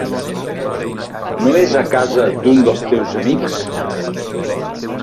No és a casa d'un dels teus amics?